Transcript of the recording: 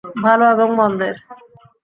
ভালো এবং মন্দের।